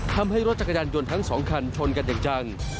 ทำให้รถจักรยานยนต์ทั้งสองคันชนกันอย่างจัง